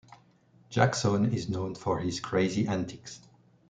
Jaxson is known for his crazy antics.